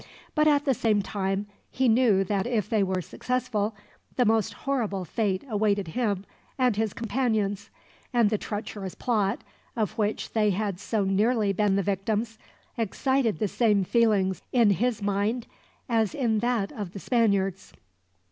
But at the same time, he knew that if they were successful, the most horrible fate awaited him and his companions; and the treacherous plot, of which they had so nearly been the victims, excited the same feelings in his mind as in that of the Spaniards.